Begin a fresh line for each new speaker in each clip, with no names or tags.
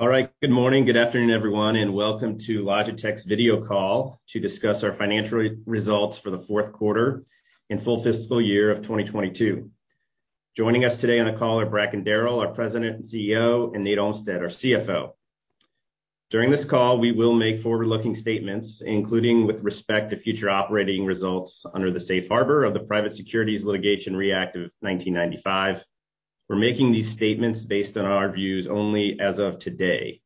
All right. Good morning, good afternoon, everyone, and welcome to Logitech's video call to discuss our financial results for the Q4 and full fiscal year 2022. Joining us today on the call are Bracken Darrell, our President and CEO, and Nate Olmstead, our CFO. During this call, we will make forward-looking statements, including with respect to future operating results under the safe harbor of the Private Securities Litigation Reform Act of 1995. We're making these statements based on our views only as of today.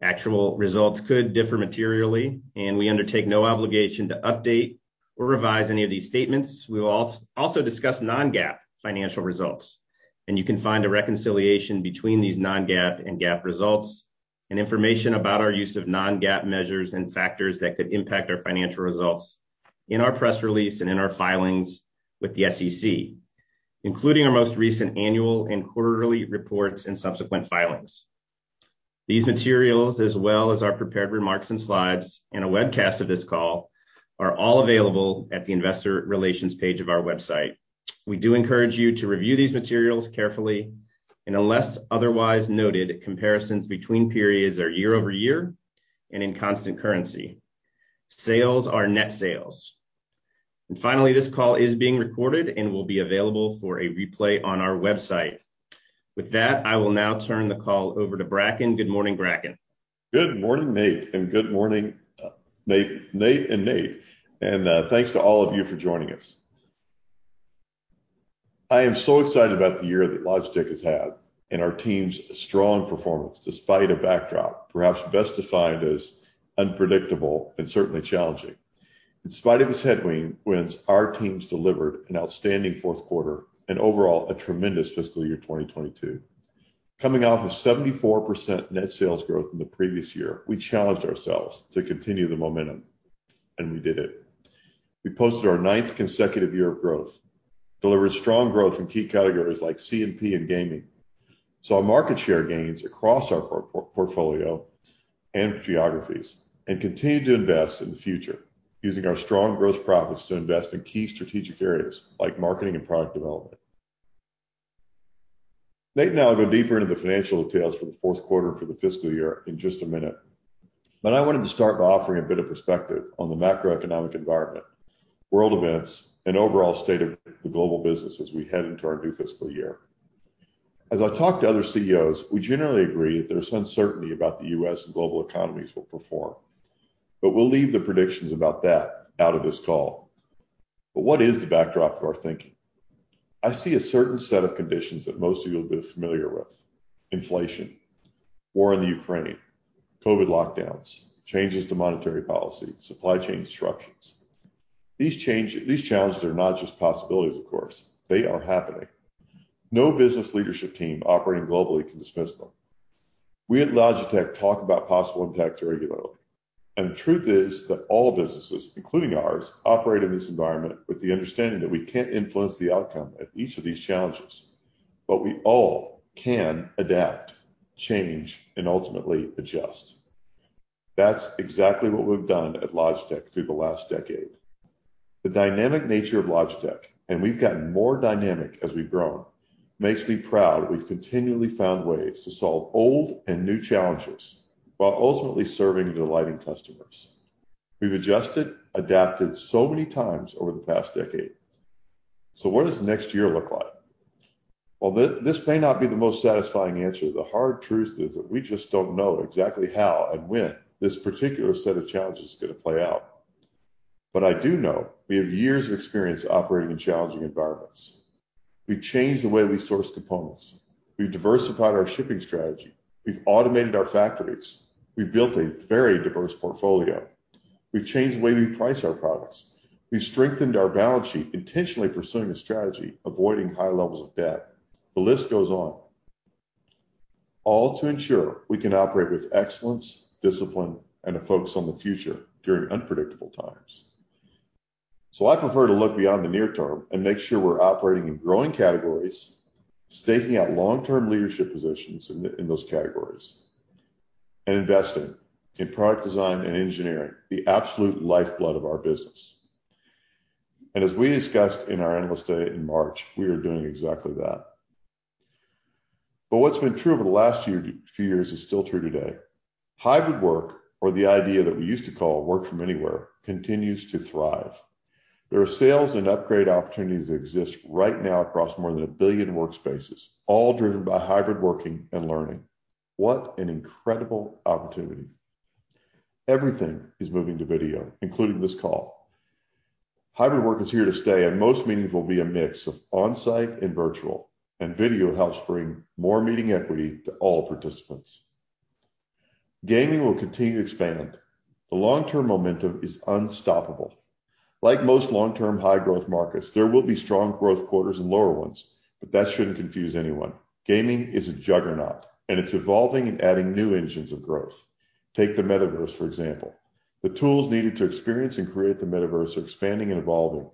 Actual results could differ materially, and we undertake no obligation to update or revise any of these statements. We will also discuss non-GAAP financial results, and you can find a reconciliation between these non-GAAP and GAAP results and information about our use of non-GAAP measures and factors that could impact our financial results in our press release and in our filings with the SEC, including our most recent annual and quarterly reports and subsequent filings. These materials, as well as our prepared remarks and slides in a webcast of this call, are all available at the investor relations page of our website. We do encourage you to review these materials carefully, and unless otherwise noted, comparisons between periods are year-over-year and in constant currency. Sales are net sales. Finally, this call is being recorded and will be available for a replay on our website. With that, I will now turn the call over to Bracken. Good morning, Bracken.
Good morning, Nate, and good morning, Nate and Nate. Thanks to all of you for joining us. I am so excited about the year that Logitech has had and our team's strong performance despite a backdrop, perhaps best defined as unpredictable and certainly challenging. In spite of this headwind, our teams delivered an outstanding Q4 and overall a tremendous fiscal year 2022. Coming off of 74% net sales growth in the previous year, we challenged ourselves to continue the momentum, and we did it. We posted our ninth consecutive year of growth, delivered strong growth in key categories like C&P and gaming. Saw market share gains across our portfolio and geographies, and continued to invest in the future using our strong gross profits to invest in key strategic areas like marketing and product development. Nate and I'll go deeper into the financial details for the Q4 for the fiscal year in just a minute. I wanted to start by offering a bit of perspective on the macroeconomic environment, world events, and overall state of the global business as we head into our new fiscal year. As I talk to other CEOs, we generally agree that there's uncertainty about the U.S. and global economies will perform. We'll leave the predictions about that out of this call. What is the backdrop to our thinking? I see a certain set of conditions that most of you will be familiar with. Inflation, war in the Ukraine, COVID lockdowns, changes to monetary policy, supply chain disruptions. These challenges are not just possibilities, of course, they are happening. No business leadership team operating globally can dismiss them. We at Logitech talk about possible impacts regularly, and the truth is that all businesses, including ours, operate in this environment with the understanding that we can't influence the outcome at each of these challenges, but we all can adapt, change, and ultimately adjust. That's exactly what we've done at Logitech through the last decade. The dynamic nature of Logitech, and we've gotten more dynamic as we've grown, makes me proud we've continually found ways to solve old and new challenges while ultimately serving and delighting customers. We've adjusted, adapted so many times over the past decade. What does next year look like? Well, this may not be the most satisfying answer. The hard truth is that we just don't know exactly how and when this particular set of challenges is gonna play out. I do know we have years of experience operating in challenging environments. We've changed the way we source components. We've diversified our shipping strategy. We've automated our factories. We've built a very diverse portfolio. We've changed the way we price our products. We've strengthened our balance sheet, intentionally pursuing a strategy, avoiding high levels of debt. The list goes on. All to ensure we can operate with excellence, discipline, and a focus on the future during unpredictable times. I prefer to look beyond the near term and make sure we're operating in growing categories, staking out long-term leadership positions in those categories, and investing in product design and engineering, the absolute lifeblood of our business. As we discussed in our annual statement in March, we are doing exactly that. What's been true over the last year, few years is still true today. Hybrid work, or the idea that we used to call work from anywhere, continues to thrive. There are sales and upgrade opportunities that exist right now across more than a billion workspaces, all driven by hybrid working and learning. What an incredible opportunity. Everything is moving to video, including this call. Hybrid work is here to stay, and most meetings will be a mix of on-site and virtual, and video helps bring more meeting equity to all participants. Gaming will continue to expand. The long-term momentum is unstoppable. Like most long-term high-growth markets, there will be strong growth quarters and lower ones, but that shouldn't confuse anyone. Gaming is a juggernaut, and it's evolving and adding new engines of growth. Take the Metaverse, for example. The tools needed to experience and create the Metaverse are expanding and evolving.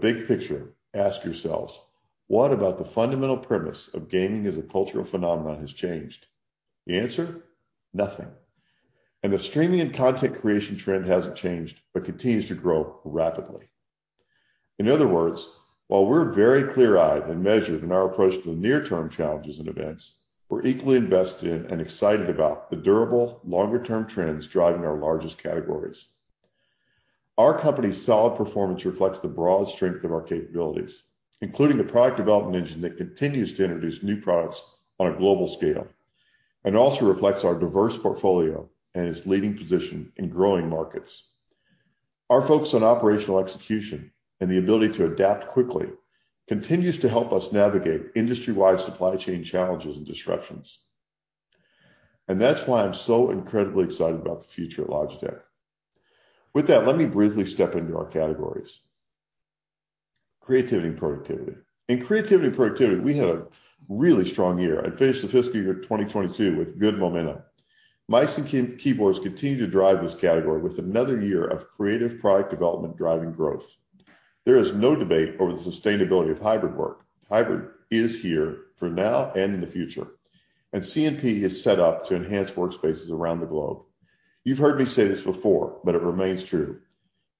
Big picture, ask yourselves, what about the fundamental premise of gaming as a cultural phenomenon has changed? The answer, nothing. The streaming and content creation trend hasn't changed, but continues to grow rapidly. In other words, while we're very clear-eyed and measured in our approach to the near-term challenges and events, we're equally invested in and excited about the durable, longer-term trends driving our largest categories. Our company's solid performance reflects the broad strength of our capabilities, including the product development engine that continues to introduce new products on a global scale, and also reflects our diverse portfolio and its leading position in growing markets. Our focus on operational execution and the ability to adapt quickly continues to help us navigate industry-wide supply chain challenges and disruptions. That's why I'm so incredibly excited about the future at Logitech. With that, let me briefly step into our categories. Creativity and Productivity. In Creativity and Productivity, we had a really strong year and finished the fiscal year 2022 with good momentum. Mice and keyboards continue to drive this category with another year of creative product development driving growth. There is no debate over the sustainability of hybrid work. Hybrid is here for now and in the future, and C&P is set up to enhance workspaces around the globe. You've heard me say this before, but it remains true.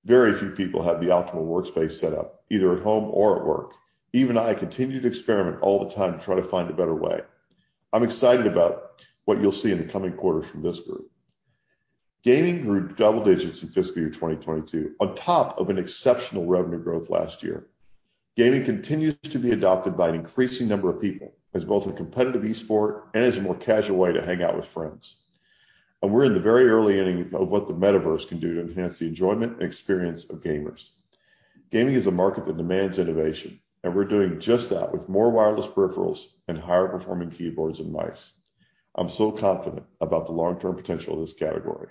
Very few people have the optimal workspace set up, either at home or at work. Even I continue to experiment all the time to try to find a better way. I'm excited about what you'll see in the coming quarters from this group. Gaming grew double digits in fiscal year 2022, on top of an exceptional revenue growth last year. Gaming continues to be adopted by an increasing number of people, as both a competitive esport and as a more casual way to hang out with friends. We're in the very early inning of what the Metaverse can do to enhance the enjoyment and experience of gamers. Gaming is a market that demands innovation, and we're doing just that with more wireless peripherals and higher-performing keyboards and mice. I'm so confident about the long-term potential of this category.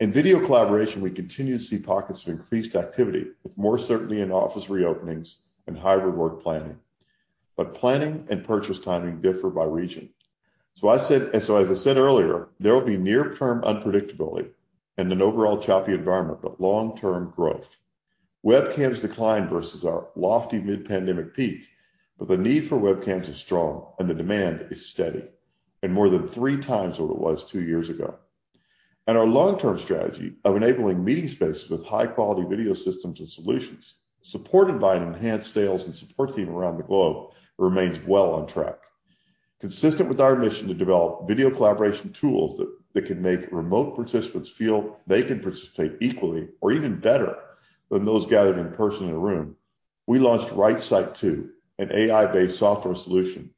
In video collaboration, we continue to see pockets of increased activity, with more certainty in office reopenings and hybrid work planning. Planning and purchase timing differ by region. As I said earlier, there will be near-term unpredictability and an overall choppy environment, but long-term growth. Webcams declined versus our lofty mid-pandemic peak, but the need for webcams is strong and the demand is steady, and more than three times what it was two years ago. Our long-term strategy of enabling meeting spaces with high-quality video systems and solutions, supported by an enhanced sales and support team around the globe, remains well on track. Consistent with our mission to develop video collaboration tools that can make remote participants feel they can participate equally or even better than those gathered in person in a room, we launched RightSight 2, an AI-based software solution,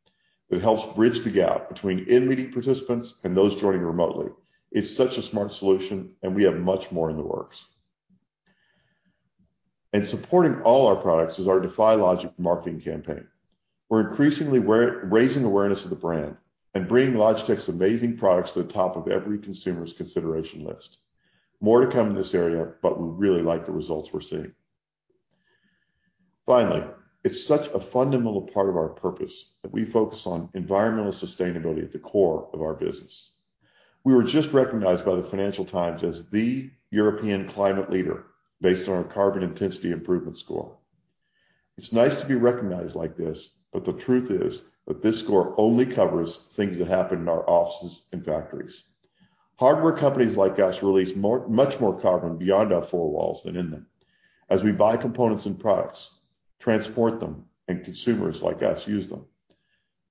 that helps bridge the gap between in-meeting participants and those joining remotely. It's such a smart solution, and we have much more in the works. Supporting all our products is our DEFY LOGIC marketing campaign. We're increasingly aware, raising awareness of the brand and bringing Logitech's amazing products to the top of every consumer's consideration list. More to come in this area, but we really like the results we're seeing. Finally, it's such a fundamental part of our purpose that we focus on environmental sustainability at the core of our business. We were just recognized by the Financial Times as the European climate leader based on our carbon intensity improvement score. It's nice to be recognized like this, but the truth is that this score only covers things that happen in our offices and factories. Hardware companies like us release more, much more carbon beyond our four walls than in them, as we buy components and products, transport them, and consumers like us use them.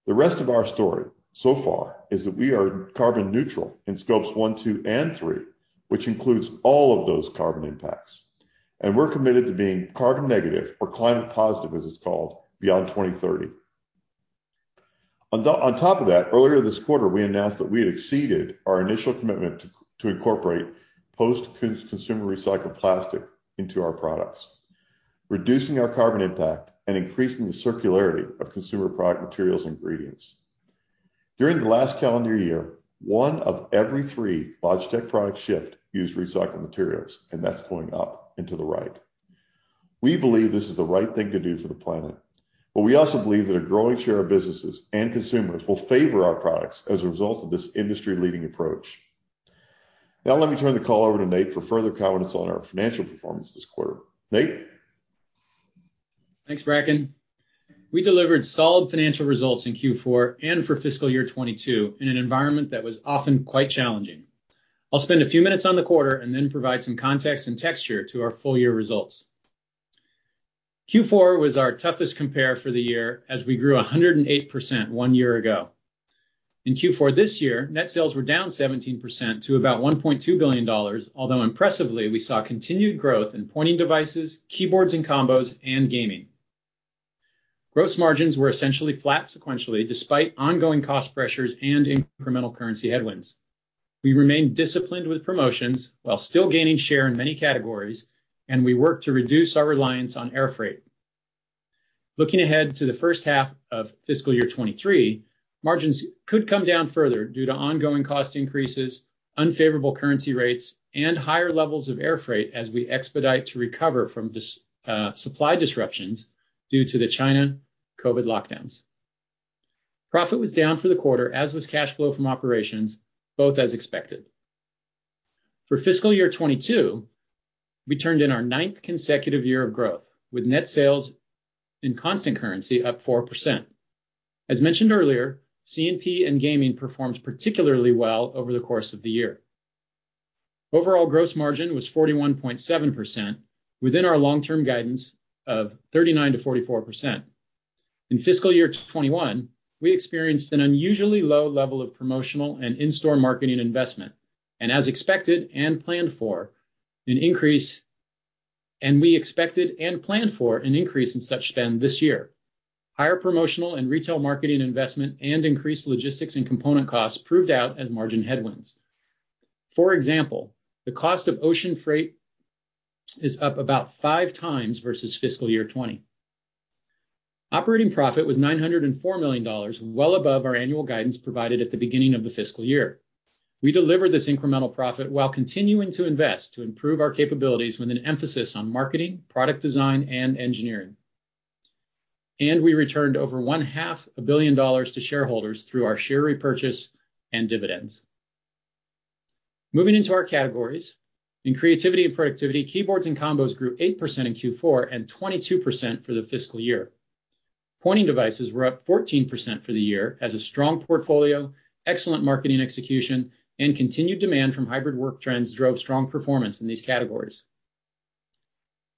The rest of our story, so far, is that we are carbon neutral in scopes one, two, and three, which includes all of those carbon impacts, and we're committed to being carbon negative, or climate positive as it's called, beyond 2030. On top of that, earlier this quarter, we announced that we had exceeded our initial commitment to incorporate post-consumer recycled plastic into our products, reducing our carbon impact and increasing the circularity of consumer product materials ingredients. During the last calendar year, one of every three Logitech products shipped used recycled materials, and that's going up and to the right. We believe this is the right thing to do for the planet, but we also believe that a growing share of businesses and consumers will favor our products as a result of this industry-leading approach. Now let me turn the call over to Nate for further comments on our financial performance this quarter. Nate?
Thanks, Bracken. We delivered solid financial results in Q4 and for fiscal year 2022 in an environment that was often quite challenging. I'll spend a few minutes on the quarter and then provide some context and texture to our full-year results. Q4 was our toughest compare for the year as we grew 108% one year ago. In Q4 this year, net sales were down 17% to about $1.2 billion, although impressively, we saw continued growth in pointing devices, keyboards and combos, and gaming. Gross margins were essentially flat sequentially despite ongoing cost pressures and incremental currency headwinds. We remained disciplined with promotions while still gaining share in many categories, and we worked to reduce our reliance on air freight. Looking ahead to the first half of fiscal year 2023, margins could come down further due to ongoing cost increases, unfavorable currency rates, and higher levels of air freight as we expedite to recover from supply disruptions due to the China COVID lockdowns. Profit was down for the quarter, as was cash flow from operations, both as expected. For fiscal year 2022, we turned in our ninth consecutive year of growth, with net sales in constant currency up 4%. As mentioned earlier, C&P and gaming performed particularly well over the course of the year. Overall gross margin was 41.7% within our long-term guidance of 39%-44%. In fiscal year 2021, we experienced an unusually low level of promotional and in-store marketing investment. As expected and planned for, an increase in such spend this year. Higher promotional and retail marketing investment and increased logistics and component costs proved out as margin headwinds. For example, the cost of ocean freight is up about 5x versus fiscal year 2020. Operating profit was $904 million, well above our annual guidance provided at the beginning of the fiscal year. We delivered this incremental profit while continuing to invest to improve our capabilities with an emphasis on marketing, product design, and engineering. We returned over one half a billion dollars to shareholders through our share repurchase and dividends. Moving into our categories. In Creativity and Productivity, keyboards and combos grew 8% in Q4 and 22% for the fiscal year. Pointing devices were up 14% for the year as a strong portfolio, excellent marketing execution, and continued demand from hybrid work trends drove strong performance in these categories.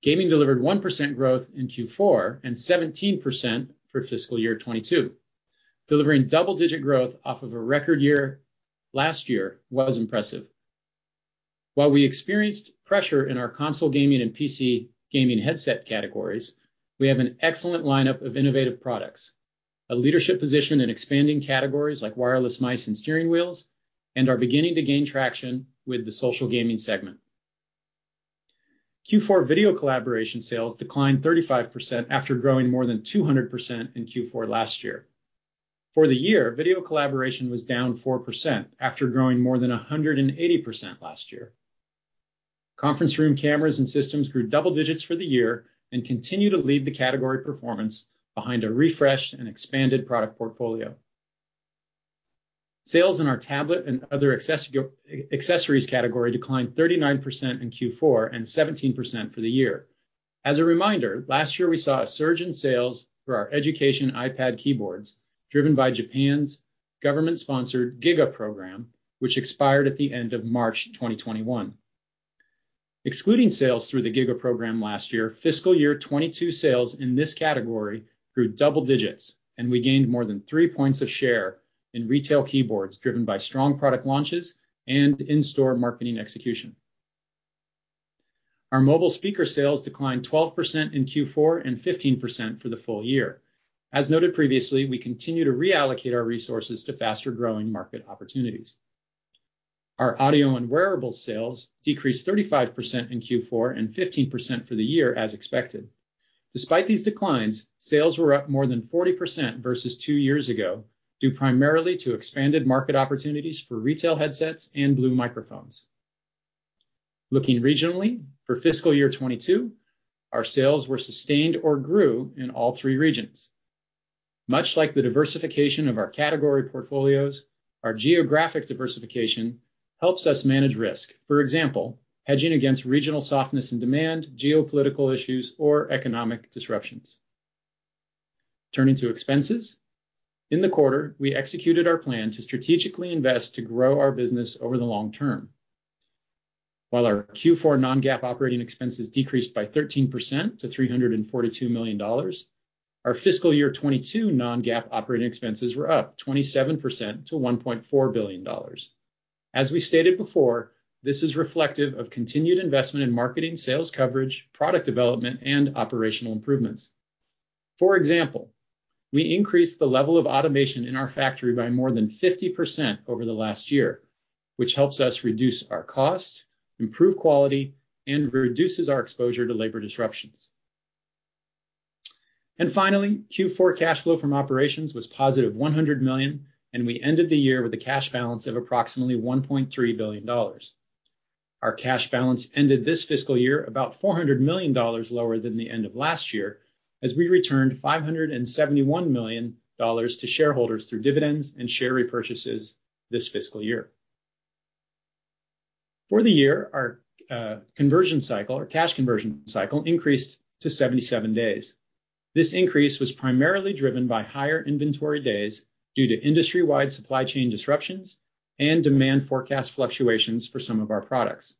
Gaming delivered 1% growth in Q4 and 17% for fiscal year 2022. Delivering double-digit growth off of a record year last year was impressive. While we experienced pressure in our console gaming and PC gaming headset categories, we have an excellent lineup of innovative products, a leadership position in expanding categories like wireless mice and steering wheels, and are beginning to gain traction with the social gaming segment. Q4 video collaboration sales declined 35% after growing more than 200% in Q4 last year. For the year, video collaboration was down 4% after growing more than 180% last year. Conference room cameras and systems grew double digits for the year and continue to lead the category performance behind a refreshed and expanded product portfolio. Sales in our tablet and other accessories category declined 39% in Q4 and 17% for the year. As a reminder, last year we saw a surge in sales for our education iPad keyboards driven by Japan's government-sponsored GIGA program, which expired at the end of March 2021. Excluding sales through the GIGA program last year, fiscal year 2022 sales in this category grew double digits, and we gained more than 3 points of share in retail keyboards driven by strong product launches and in-store marketing execution. Our mobile speaker sales declined 12% in Q4 and 15% for the full year. As noted previously, we continue to reallocate our resources to faster-growing market opportunities. Our audio and wearable sales decreased 35% in Q4 and 15% for the year as expected. Despite these declines, sales were up more than 40% versus 2 years ago, due primarily to expanded market opportunities for retail headsets and Blue Microphones. Looking regionally, for fiscal year 2022, our sales were sustained or grew in all three regions. Much like the diversification of our category portfolios, our geographic diversification helps us manage risk. For example, hedging against regional softness and demand, geopolitical issues, or economic disruptions. Turning to expenses. In the quarter, we executed our plan to strategically invest to grow our business over the long term. While our Q4 non-GAAP operating expenses decreased by 13% to $342 million, our fiscal year 2022 non-GAAP operating expenses were up 27% to $1.4 billion. As we stated before, this is reflective of continued investment in marketing, sales coverage, product development, and operational improvements. For example, we increased the level of automation in our factory by more than 50% over the last year, which helps us reduce our cost, improve quality, and reduces our exposure to labor disruptions. Finally, Q4 cash flow from operations was positive $100 million, and we ended the year with a cash balance of approximately $1.3 billion. Our cash balance ended this fiscal year about $400 million lower than the end of last year as we returned $571 million to shareholders through dividends and share repurchases this fiscal year. For the year, our conversion cycle or cash conversion cycle increased to 77 days. This increase was primarily driven by higher inventory days due to industry-wide supply chain disruptions and demand forecast fluctuations for some of our products.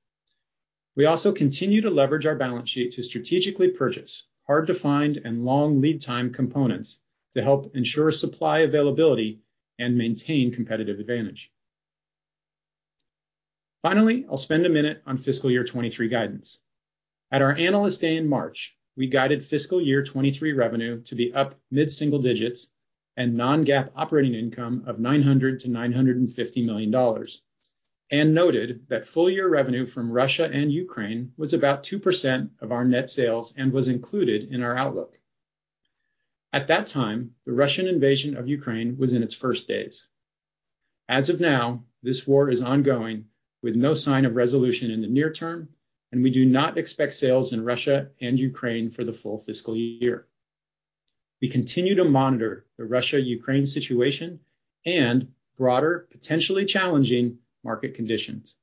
We also continue to leverage our balance sheet to strategically purchase hard-to-find and long lead time components, to help ensure supply availability and maintain competitive advantage. Finally, I'll spend a minute on fiscal year 2023 guidance. At our Analyst Day in March, we guided fiscal year 2023 revenue to be up mid-single digits, and non-GAAP operating income of $900-$950 million, and noted that full-year revenue from Russia and Ukraine was about 2% of our net sales and was included in our outlook. At that time, the Russian invasion of Ukraine was in its first days. As of now, this war is ongoing with no sign of resolution in the near term, and we do not expect sales in Russia and Ukraine for the full fiscal year. We continue to monitor the Russia-Ukraine situation and broader, potentially challenging market conditions.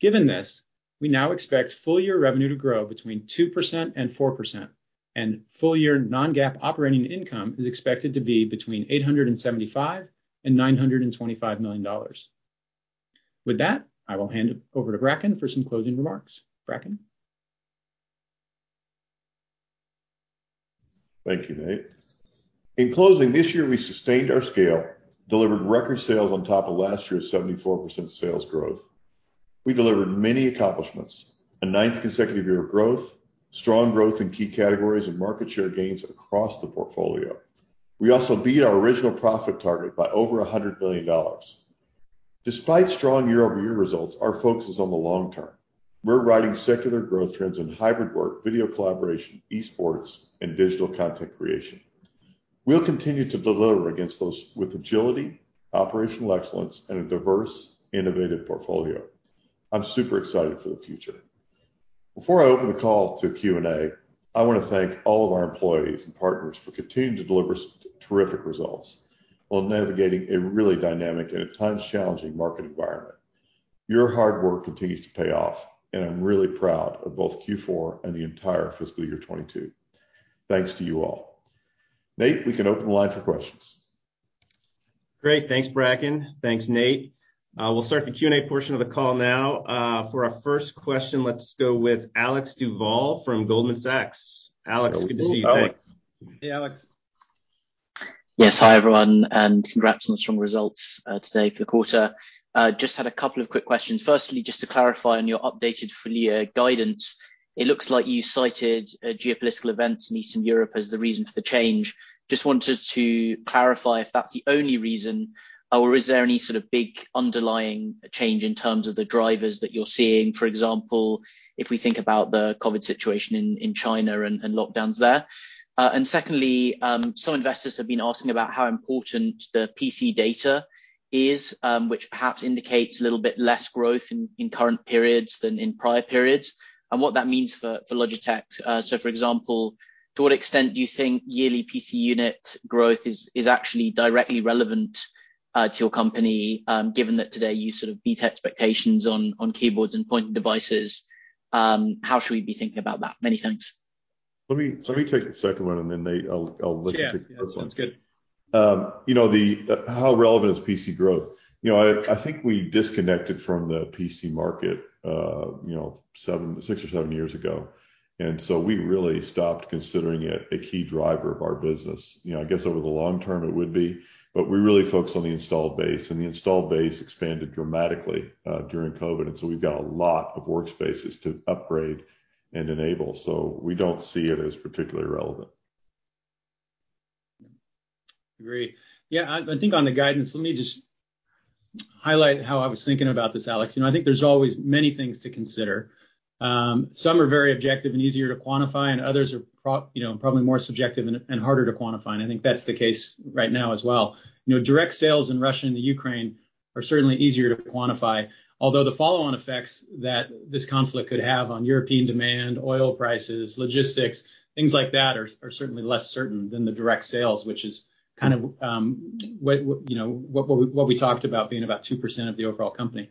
Given this, we now expect full-year revenue to grow between 2% and 4%. Full-year non-GAAP operating income is expected to be between $875 million and $925 million. With that, I will hand it over to Bracken for some closing remarks. Bracken?
Thank you, Nate. In closing, this year we sustained our scale, delivered record sales on top of last year's 74% sales growth. We delivered many accomplishments, a ninth consecutive year of growth, strong growth in key categories and market share gains across the portfolio. We also beat our original profit target by over $100 million. Despite strong year-over-year results, our focus is on the long term. We're riding secular growth trends in hybrid work, video collaboration, esports, and digital content creation. We'll continue to deliver against those with agility, operational excellence, and a diverse, innovative portfolio. I'm super excited for the future. Before I open the call to Q&A, I want to thank all of our employees and partners for continuing to deliver terrific results while navigating a really dynamic and, at times, challenging market environment. Your hard work continues to pay off, and I'm really proud of both Q4 and the entire fiscal year 2022. Thanks to you all. Nate, we can open the line for questions.
Great. Thanks, Bracken. Thanks, Nate. We'll start the Q&A portion of the call now. For our first question, let's go with Alex Duval from Goldman Sachs. Alex, good to see you. Thanks.
Hello, Alex.
Hey, Alex.
Yes, hi, everyone, and congrats on the strong results today for the quarter. Just had a couple of quick questions. Firstly, just to clarify on your updated full-year guidance, it looks like you cited geopolitical events in Eastern Europe as the reason for the change. Just wanted to clarify if that's the only reason, or is there any sort of big underlying change in terms of the drivers that you're seeing? For example, if we think about the COVID situation in China and lockdowns there. Secondly, some investors have been asking about how important the PC data is, which perhaps indicates a little bit less growth in current periods than in prior periods, and what that means for Logitech. For example, to what extent do you think yearly PC unit growth is actually directly relevant to your company, given that today you sort of beat expectations on keyboards and pointing devices, how should we be thinking about that? Many thanks.
Let me take the second one, and then, Nate, I'll let you take the first one.
Yeah, that sounds good.
You know, how relevant is PC growth? You know, I think we disconnected from the PC market six or seven years ago. We really stopped considering it a key driver of our business. You know, I guess over the long term it would be, but we really focus on the installed base, and the installed base expanded dramatically during COVID, and we've got a lot of workspaces to upgrade and enable, so we don't see it as particularly relevant.
Agree. Yeah, I think on the guidance, let me just highlight how I was thinking about this, Alex. You know, I think there's always many things to consider. Some are very objective and easier to quantify, and others are probably more subjective and harder to quantify, and I think that's the case right now as well. You know, direct sales in Russia and the Ukraine are certainly easier to quantify. Although the follow-on effects that this conflict could have on European demand, oil prices, logistics, things like that are certainly less certain than the direct sales, which is kind of what we talked about being about 2% of the overall company.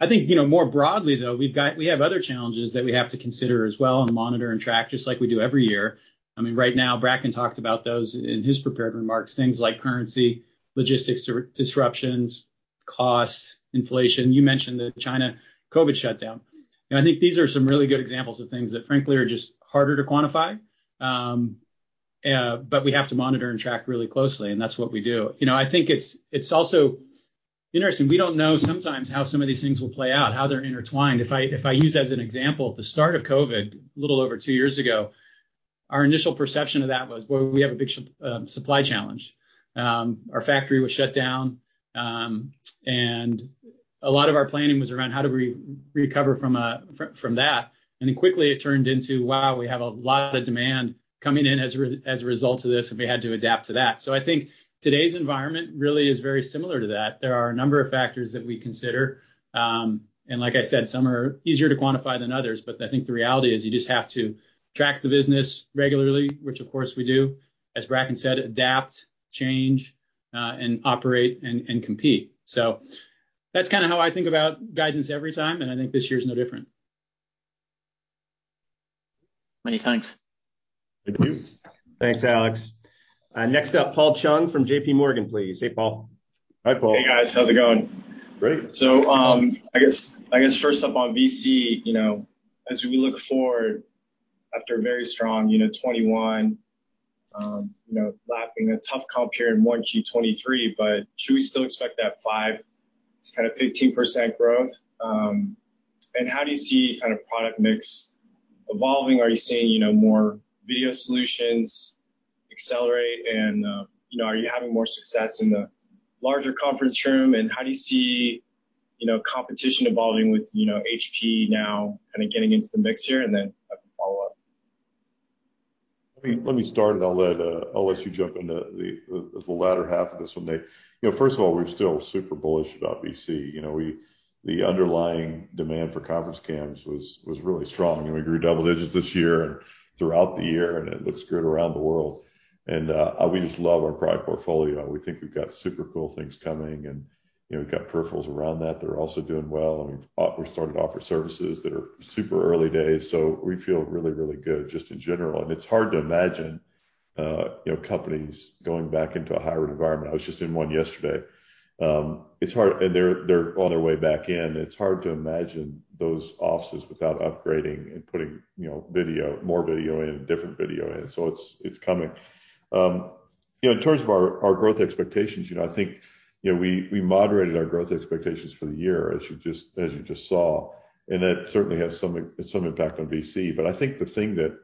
I think, you know, more broadly though, we have other challenges that we have to consider as well and monitor and track, just like we do every year. I mean, right now, Bracken talked about those in his prepared remarks, things like currency, logistics disruptions, costs, inflation. You mentioned the China COVID shutdown. You know, I think these are some really good examples of things that frankly are just harder to quantify. We have to monitor and track really closely, and that's what we do. You know, I think it's also interesting, we don't know sometimes how some of these things will play out, how they're intertwined. If I use as an example, the start of COVID, a little over two years ago, our initial perception of that was, well, we have a big supply challenge. Our factory was shut down, and a lot of our planning was around how do we recover from that. Then quickly it turned into, wow, we have a lot of demand coming in as a result of this, and we had to adapt to that. I think today's environment really is very similar to that. There are a number of factors that we consider, and like I said, some are easier to quantify than others, but I think the reality is you just have to track the business regularly, which of course we do. As Bracken said, adapt, change, and operate and compete. That's kind of how I think about guidance every time, and I think this year is no different.
Many thanks.
Thank you.
Thanks, Alex. Next up, Paul Chung from JPMorgan, please. Hey, Paul.
Hi, Paul.
Hey, guys. How's it going?
Great.
I guess first up on VC, you know, as we look forward after a very strong, you know, 2021, you know, lapping a tough comp here in 1H 2023, but should we still expect that 5% to kind of 15% growth? How do you see kind of product mix evolving? Are you seeing, you know, more video solutions accelerate and, you know, are you having more success in the larger conference room? How do you see, you know, competition evolving with, you know, HP now kind of getting into the mix here? I have a follow-up.
Let me start, and I'll let you jump into the latter half of this one, Nate. You know, first of all, we're still super bullish about VC. You know, the underlying demand for conference cams was really strong, and we grew double digits this year and throughout the year, and it looks good around the world. We just love our product portfolio. We think we've got super cool things coming, and, you know, we've got peripherals around that that are also doing well, and we're starting to offer services that are super early days. We feel really, really good just in general. It's hard to imagine, you know, companies going back into a hybrid environment. I was just in one yesterday. They're on their way back in. It's hard to imagine those offices without upgrading and putting, you know, video, more video in and different video in. It's coming. You know, in terms of our growth expectations, I think we moderated our growth expectations for the year, as you just saw, and that certainly has some impact on VC. I think the thing that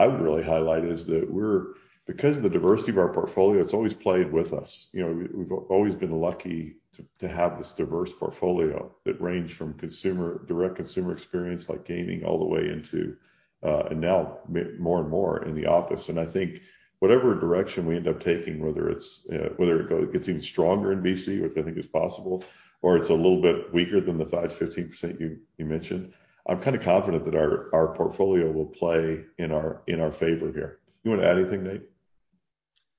I would really highlight is that we're. Because of the diversity of our portfolio, it's always played with us. You know, we've always been lucky to have this diverse portfolio that range from direct consumer experience, like gaming, all the way into, and now more and more in the office. I think whatever direction we end up taking, whether it's even stronger in VC, which I think is possible, or it's a little bit weaker than the 5%-15% you mentioned, I'm kind of confident that our portfolio will play in our favor here. You want to add anything, Nate?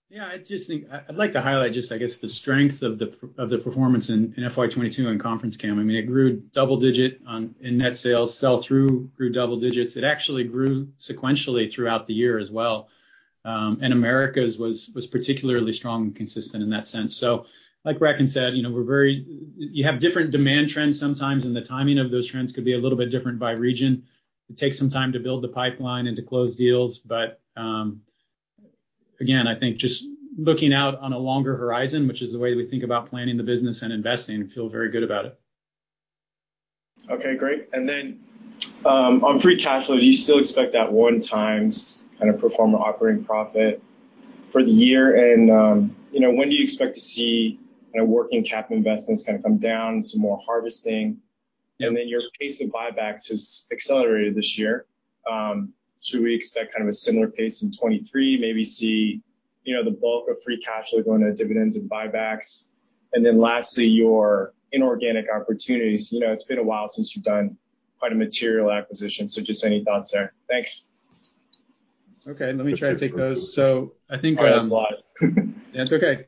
Yeah. I just think I'd like to highlight just, I guess, the strength of the performance in FY 2022 on conference cam. I mean, it grew double digit in net sales. Sell-through grew double digits. It actually grew sequentially throughout the year as well. Americas was particularly strong and consistent in that sense. Like Bracken said, you know, you have different demand trends sometimes, and the timing of those trends could be a little bit different by region. It takes some time to build the pipeline and to close deals, but again, I think just looking out on a longer horizon, which is the way we think about planning the business and investing, and feel very good about it.
Okay, great. On free cash flow, do you still expect that 1x kind of pro forma operating profit for the year? You know, when do you expect to see kind of working capital investments kind of come down, some more harvesting? Your pace of buybacks has accelerated this year. Should we expect kind of a similar pace in 2023? Maybe see, you know, the bulk of free cash flow going to dividends and buybacks. Lastly, your inorganic opportunities. You know, it's been a while since you've done quite a material acquisition. Just any thoughts there. Thanks.
Okay. Let me try to take those. I think,
Sorry, that's a lot.
That's okay.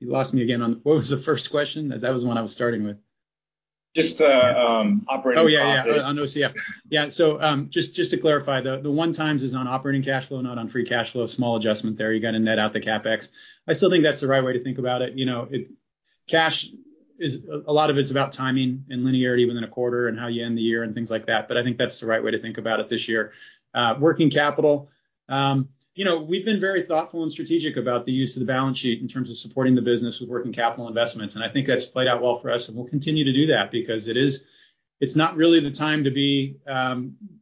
You lost me again. What was the first question? That was the one I was starting with.
Just operating profit.
Oh, yeah. On OCF. Yeah. Just to clarify, the 1x is on operating cash flow, not on free cash flow. Small adjustment there. You got to net out the CapEx. I still think that's the right way to think about it. You know, cash is a lot of it's about timing and linearity within a quarter and how you end the year and things like that, but I think that's the right way to think about it this year. Working capital, you know, we've been very thoughtful and strategic about the use of the balance sheet in terms of supporting the business with working capital investments, and I think that's played out well for us, and we'll continue to do that because it's not really the time to be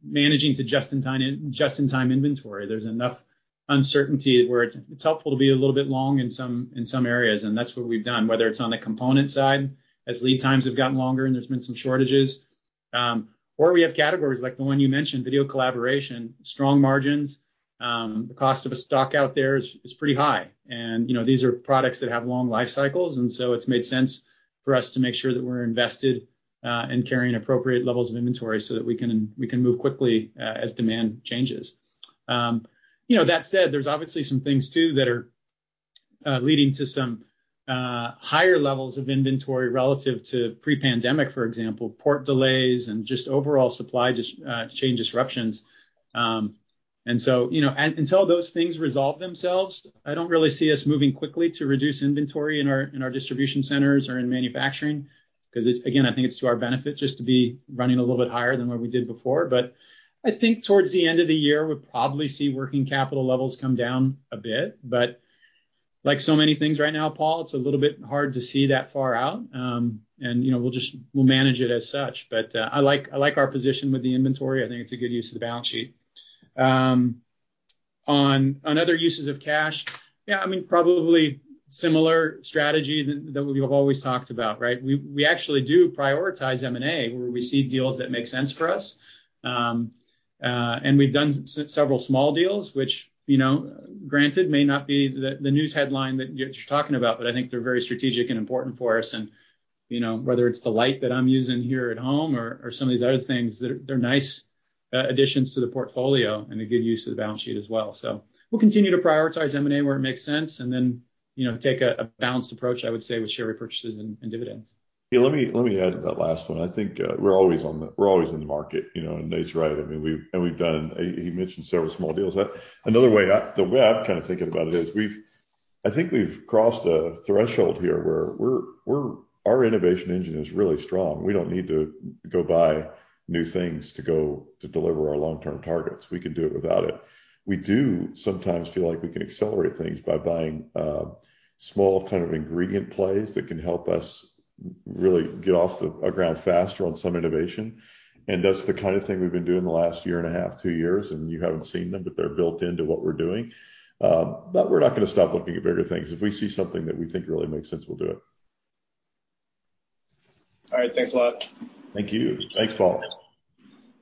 managing to just-in-time inventory. There's enough uncertainty where it's helpful to be a little bit long in some areas, and that's what we've done, whether it's on the component side, as lead times have gotten longer and there's been some shortages, or we have categories like the one you mentioned, video collaboration, strong margins. The cost of a stock out there is pretty high. You know, these are products that have long life cycles, and so it's made sense for us to make sure that we're invested in carrying appropriate levels of inventory so that we can move quickly as demand changes. You know, that said, there's obviously some things too that are leading to some higher levels of inventory relative to pre-pandemic, for example, port delays and just overall supply chain disruptions. Until those things resolve themselves, I don't really see us moving quickly to reduce inventory in our distribution centers or in manufacturing 'cause it again, I think it's to our benefit just to be running a little bit higher than what we did before. I think towards the end of the year, we'll probably see working capital levels come down a bit. Like so many things right now, Paul, it's a little bit hard to see that far out. You know, we'll just manage it as such. I like our position with the inventory. I think it's a good use of the balance sheet. On other uses of cash, yeah, I mean, probably similar strategy that we've always talked about, right? We actually do prioritize M&A, where we see deals that make sense for us. We've done several small deals, which, you know, granted may not be the news headline that you're talking about, but I think they're very strategic and important for us. You know, whether it's the light that I'm using here at home or some of these other things, they're nice additions to the portfolio and a good use of the balance sheet as well. We'll continue to prioritize M&A where it makes sense and then, you know, take a balanced approach, I would say, with share repurchases and dividends.
Yeah, let me add to that last one. I think we're always in the market, you know? Nate's right. I mean, we've done, he mentioned several small deals. Another way the way I'm kind of thinking about it is, I think we've crossed a threshold here where we're our innovation engine is really strong. We don't need to go buy new things to go to deliver our long-term targets. We can do it without it. We do sometimes feel like we can accelerate things by buying small kind of ingredient plays that can help us really get off the ground faster on some innovation, and that's the kind of thing we've been doing the last year and a half, two years, and you haven't seen them, but they're built into what we're doing. We're not going to stop looking at bigger things. If we see something that we think really makes sense, we'll do it.
All right. Thanks a lot.
Thank you. Thanks, Paul.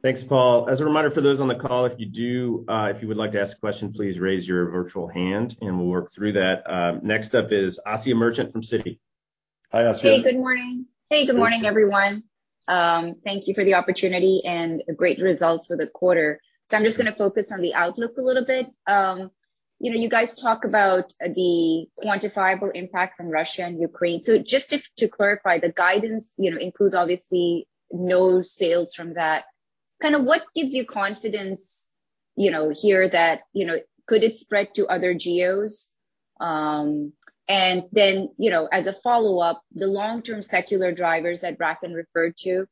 Thanks, Paul. As a reminder for those on the call, if you would like to ask a question, please raise your virtual hand, and we'll work through that. Next up is Asiya Merchant from Citi.
Hi, Asiya.
Hey, good morning. Hey, good morning, everyone. Thank you for the opportunity and the great results for the quarter. I'm just going to focus on the outlook a little bit. You know, you guys talk about the quantifiable impact from Russia and Ukraine. Just to clarify, the guidance, you know, includes obviously no sales from that. Kind of what gives you confidence, you know, here that, you know, could it spread to other geos? As a follow-up, the long-term secular drivers that Bracken referred to,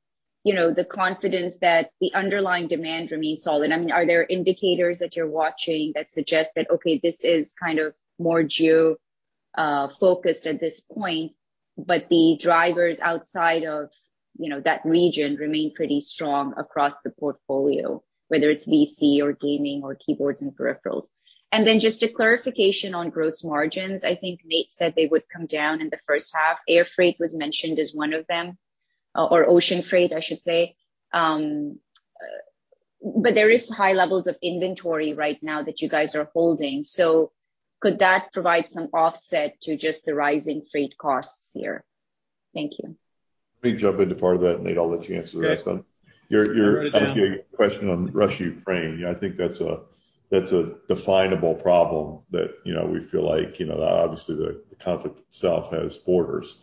you know, the confidence that the underlying demand remains solid. I mean, are there indicators that you're watching that suggest that, okay, this is kind of more geo focused at this point, but the drivers outside of, you know, that region remain pretty strong across the portfolio, whether it's VC or gaming or keyboards and peripherals? Just a clarification on gross margins. I think Nate said they would come down in the first half. Air freight was mentioned as one of them, or ocean freight, I should say. There is high levels of inventory right now that you guys are holding, so could that provide some offset to just the rising freight costs here? Thank you.
Let me jump into part of that, and Nate, I'll let you answer the rest of them.
Yeah.
Your, your.
Write it down.
Okay, your question on Russia-Ukraine. Yeah, I think that's a definable problem that, you know, we feel like, you know, obviously the conflict itself has borders.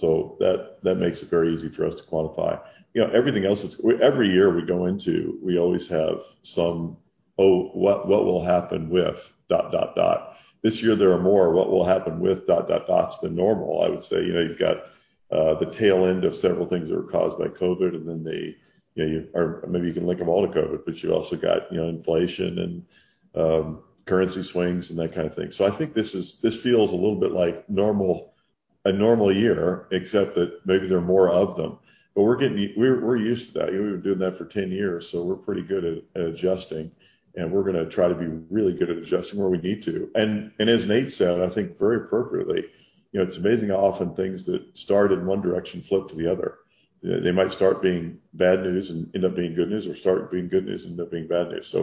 That makes it very easy for us to quantify. You know, everything else. Every year we go into, we always have some, Oh, what will happen with dot, dot? This year there are more what will happen with dot, dots than normal, I would say. You know, you've got the tail end of several things that were caused by COVID, and then they, you know, or maybe you can link them all to COVID, but you've also got, you know, inflation and currency swings and that kind of thing. I think this is, this feels a little bit like a normal year, except that maybe there are more of them. We're used to that. You know, we've been doing that for 10 years, so we're pretty good at adjusting, and we're going to try to be really good at adjusting where we need to. As Nate said, I think very appropriately, you know, it's amazing how often things that start in one direction flip to the other. You know, they might start being bad news and end up being good news or start being good news and end up being bad news.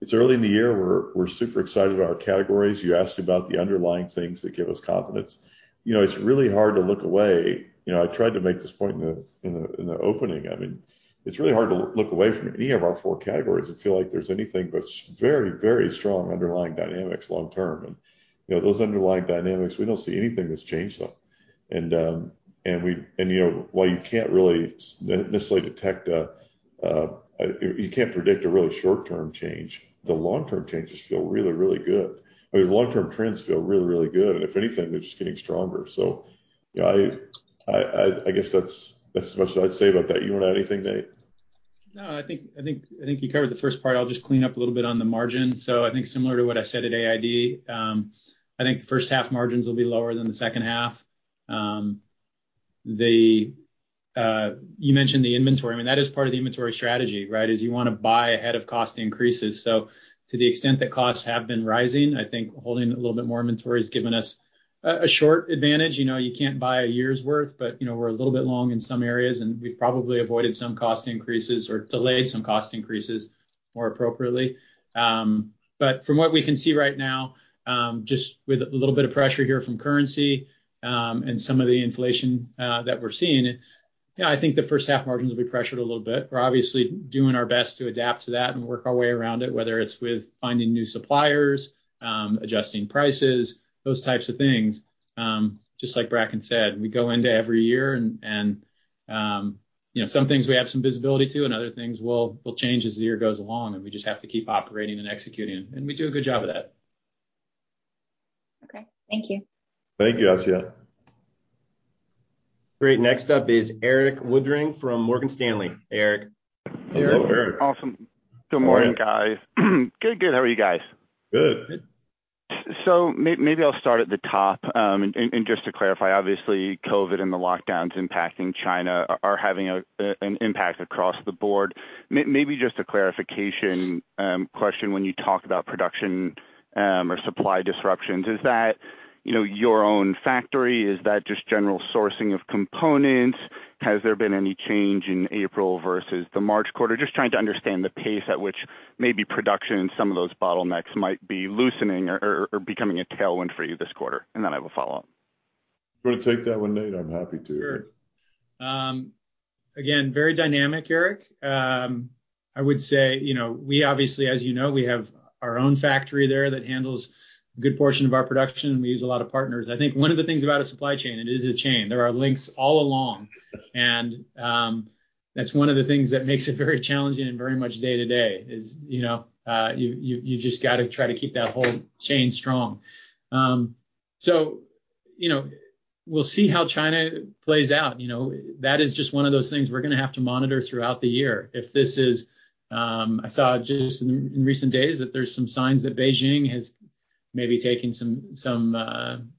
It's early in the year. We're super excited about our categories. You asked about the underlying things that give us confidence. You know, it's really hard to look away. You know, I tried to make this point in the opening. I mean, it's really hard to look away from any of our four categories and feel like there's anything but very, very strong underlying dynamics long term. You know, those underlying dynamics, we don't see anything that's changed them. You know, while you can't really necessarily, you know, you can't predict a really short-term change, the long-term changes feel really, really good. I mean, the long-term trends feel really, really good. If anything, they're just getting stronger. You know, I guess that's as much as I'd say about that. You want to add anything, Nate?
No, I think you covered the first part. I'll just clean up a little bit on the margin. I think similar to what I said at AID, I think first half margins will be lower than the second half. You mentioned the inventory. I mean, that is part of the inventory strategy, right? You wanna buy ahead of cost increases. To the extent that costs have been rising, I think holding a little bit more inventory has given us a short advantage. You know, you can't buy a year's worth, but you know, we're a little bit long in some areas, and we've probably avoided some cost increases or delayed some cost increases more appropriately. From what we can see right now, just with a little bit of pressure here from currency, and some of the inflation that we're seeing, yeah, I think the first half margins will be pressured a little bit. We're obviously doing our best to adapt to that and work our way around it, whether it's with finding new suppliers, adjusting prices, those types of things. Just like Bracken said, we go into every year and, you know, some things we have some visibility to, and other things will change as the year goes along, and we just have to keep operating and executing. We do a good job of that.
Okay. Thank you.
Thank you, Asiya.
Great. Next up is Erik Woodring from Morgan Stanley. Eric?
Hello, Erik.
Hi Erik.
Awesome. Good morning, guys. Good, good. How are you guys?
Good.
Good.
Maybe I'll start at the top. Just to clarify, obviously, COVID and the lockdowns impacting China are having an impact across the board. Maybe just a clarification question when you talk about production or supply disruptions. Is that, you know, your own factory? Is that just general sourcing of components? Has there been any change in April versus the March quarter? Just trying to understand the pace at which maybe production and some of those bottlenecks might be loosening or becoming a tailwind for you this quarter. Then I have a follow-up.
You want to take that one, Nate? I'm happy to.
Sure. Again, very dynamic, Erik. I would say, you know, we obviously, as you know, we have our own factory there that handles a good portion of our production. We use a lot of partners. I think one of the things about a supply chain, it is a chain. There are links all along. That's one of the things that makes it very challenging and very much day to day is, you know, you just got to try to keep that whole chain strong. You know, we'll see how China plays out, you know. That is just one of those things we're going to have to monitor throughout the year. If this is, I saw just in recent days that there's some signs that Beijing has maybe taken some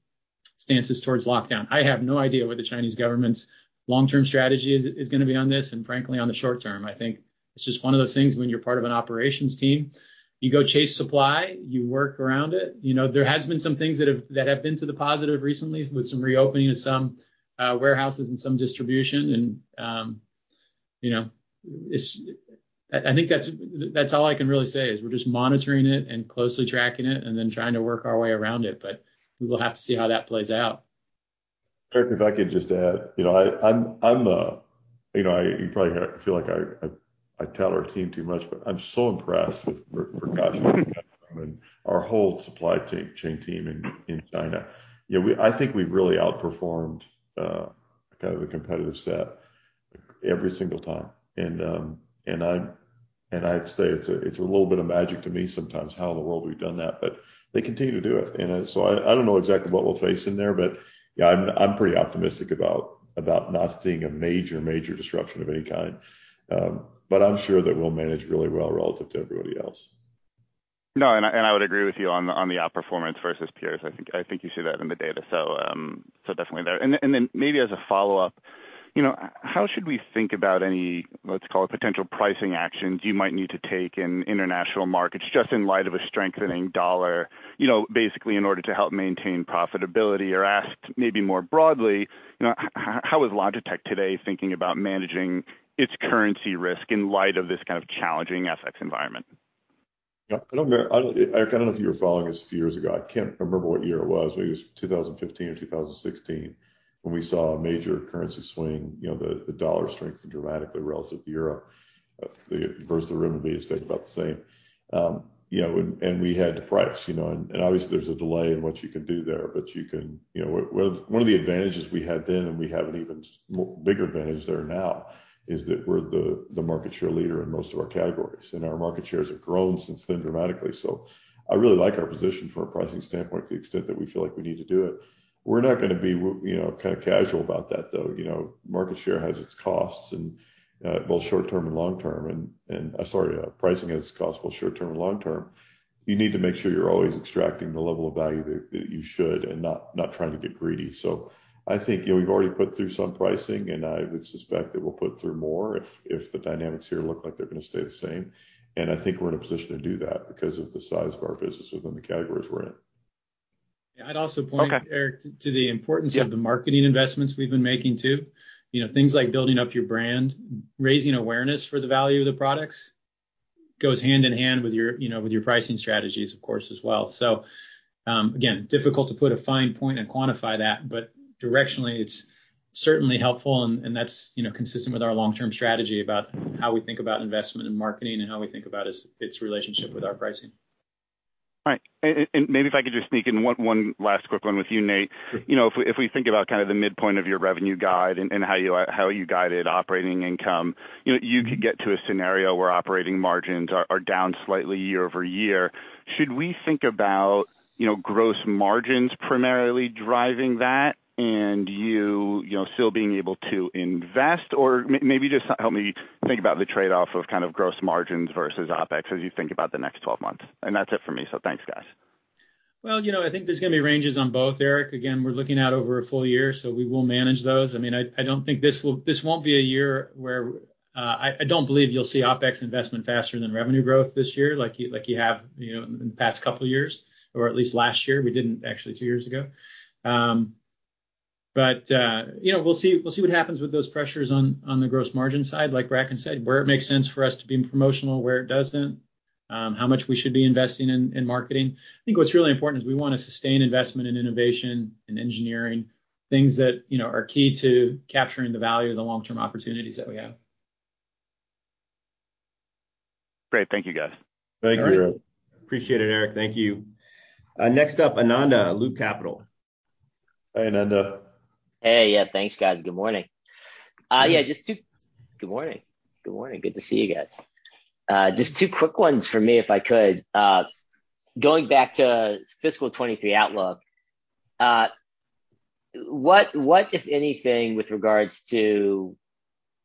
stances towards lockdown. I have no idea what the Chinese government's long-term strategy is going to be on this, and frankly, on the short-term. I think it's just one of those things when you're part of an operations team, you go chase supply, you work around it. You know, there has been some things that have been to the positive recently with some reopening of some warehouses and some distribution. You know, it's I think that's all I can really say, is we're just monitoring it and closely tracking it and then trying to work our way around it, but we will have to see how that plays out.
Erik, if I could just add. You know, you probably feel like I tell our team too much, but I'm so impressed with regards to our whole supply chain team in China. You know, I think we've really outperformed kind of the competitive set every single time. I'd say it's a little bit of magic to me sometimes how in the world we've done that, but they continue to do it. I don't know exactly what we'll face in there, but yeah, I'm pretty optimistic about not seeing a major disruption of any kind. But I'm sure that we'll manage really well relative to everybody else.
No, I would agree with you on the outperformance versus peers. I think you see that in the data. Definitely there. Maybe as a follow-up, you know, how should we think about any, let's call it potential pricing actions you might need to take in international markets, just in light of a strengthening dollar, you know, basically in order to help maintain profitability? Or asked maybe more broadly, you know, how is Logitech today thinking about managing its currency risk in light of this kind of challenging FX environment?
Yeah. Look, Erik, I don't know if you were following us a few years ago. I can't remember what year it was, maybe it was 2015 or 2016, when we saw a major currency swing. The US dollar strengthened dramatically relative to euro, versus the renminbi has stayed about the same. We had to price. Obviously there's a delay in what you can do there, but you can. One of the advantages we had then, and we have an even bigger advantage there now, is that we're the market share leader in most of our categories, and our market shares have grown since then dramatically. I really like our position from a pricing standpoint, to the extent that we feel like we need to do it. We're not going to be you know, kind of casual about that, though. You know, market share has its costs in both short-term and long-term. Pricing has its costs both short-term and long-term. You need to make sure you're always extracting the level of value that you should, and not trying to get greedy. I think, you know, we've already put through some pricing, and I would suspect that we'll put through more if the dynamics here look like they're going to stay the same. I think we're in a position to do that because of the size of our business within the categories we're in.
Yeah, I'd also point, Erik, to the importance of the marketing investments we've been making, too. You know, things like building up your brand, raising awareness for the value of the products goes hand in hand with your, you know, with your pricing strategies, of course, as well. Again, difficult to put a fine point and quantify that, but directionally it's certainly helpful and that's, you know, consistent with our long-term strategy about how we think about investment and marketing and how we think about its relationship with our pricing.
All right. Maybe if I could just sneak in one last quick one with you, Nate. You know, if we think about kind of the midpoint of your revenue guide and how you guided operating income, you know, you could get to a scenario where operating margins are down slightly year-over-year. Should we think about, you know, gross margins primarily driving that, and, you know, still being able to invest? Or maybe just help me think about the trade-off of kind of gross margins versus OpEx as you think about the next twelve months. That's it for me, so thanks, guys.
Well, you know, I think there's going to be ranges on both, Erik. Again, we're looking out over a full year, so we will manage those. I mean, I don't think this won't be a year where I don't believe you'll see OpEx investment faster than revenue growth this year, like you have, you know, in the past couple of years, or at least last year. We didn't actually two years ago. But you know, we'll see what happens with those pressures on the gross margin side. Like Bracken said, where it makes sense for us to be promotional, where it doesn't, how much we should be investing in marketing. I think what's really important is we wanna sustain investment in innovation and engineering, things that, you know, are key to capturing the value of the long-term opportunities that we have.
Great. Thank you, guys.
Thank you.
Appreciate it, Erik. Thank you. Next up, Ananda, Loop Capital.
Hi, Ananda.
Hey. Yeah, thanks, guys. Good morning. Good morning. Good to see you guys. Just two quick ones for me, if I could. Going back to fiscal 2023 outlook, what, if anything, with regards to,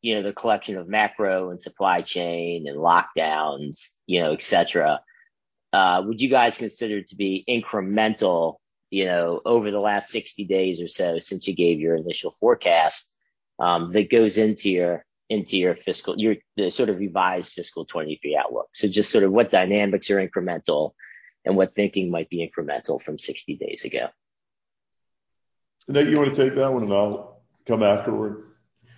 you know, the collection of macro and supply chain and lockdowns, you know, et cetera, would you guys consider to be incremental, you know, over the last 60 days or so since you gave your initial forecast, that goes into your, into your fiscal year, the sort of revised fiscal 2023 outlook? Just sort of what dynamics are incremental, and what thinking might be incremental from 60 days ago.
Nate, you want to take that one and I'll come afterwards?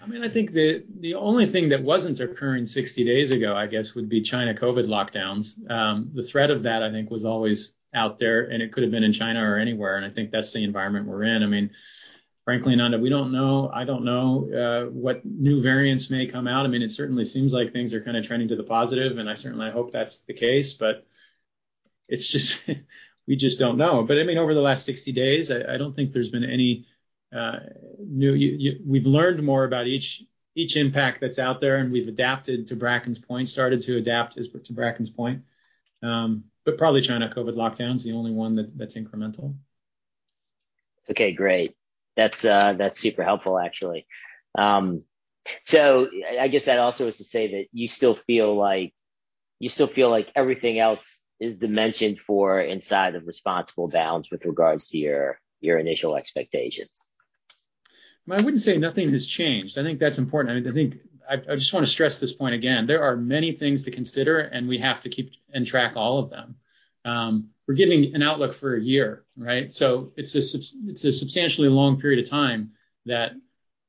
I mean, I think the only thing that wasn't occurring 60 days ago, I guess, would be China COVID lockdowns. The threat of that, I think, was always out there, and it could have been in China or anywhere, and I think that's the environment we're in. I mean, frankly, Ananda, we don't know, I don't know what new variants may come out. I mean, it certainly seems like things are kind of turning to the positive, and I certainly hope that's the case, but it's just we just don't know. Over the last 60 days, I don't think there's been any new. We've learned more about each impact that's out there, and we've started to adapt to Bracken's point. Probably China COVID lockdown is the only one that's incremental.
Okay, great. That's super helpful, actually. I guess that also is to say that you still feel like everything else is dimensioned for inside of responsible bounds with regards to your initial expectations.
I wouldn't say nothing has changed. I think that's important. I just want to stress this point again. There are many things to consider, and we have to keep and track all of them. We're giving an outlook for a year, right? It's a substantially long period of time that